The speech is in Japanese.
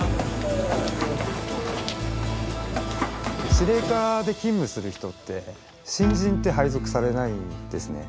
指令課で勤務する人って新人って配属されないんですね。